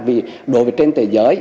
vì đối với trên thế giới